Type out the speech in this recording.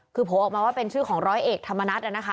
คือโผล่ออกมาว่าเป็นชื่อของร้อยเอกธรรมนัฐนะคะ